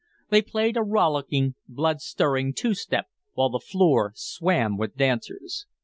They played a rollicking, blood stirring two step, while the floor swam with dancers.